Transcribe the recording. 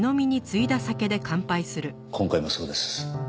今回もそうです。